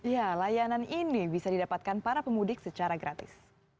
ya layanan ini bisa didapatkan para pemudik secara gratis